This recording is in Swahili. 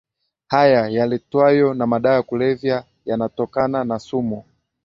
haya yaletwayo na madawa ya kulevya yanatokana na sumu